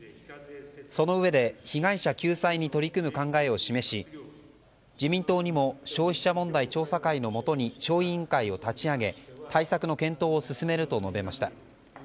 そのうえで被害者救済に取り組む考えを示し、自民党にも消費者問題調査会のもとに小委員会を立ち上げ対策の検討を進めると述べました。